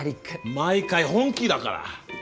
毎回本気だから！